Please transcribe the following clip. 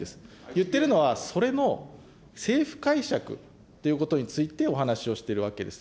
言ってるのはそれの政府解釈ということについて、お話をしているわけです。